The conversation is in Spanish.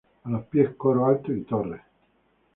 A los pies coro alto y torre.